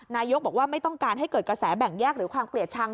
นายกบอกว่าไม่ต้องการให้เกิดกระแสแบ่งแยกหรือความเกลียดชัง